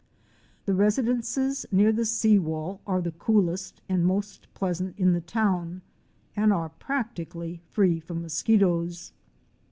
The residences near the sea wall are the coolest and most pleasant in the town and are practically free from mosquitoes.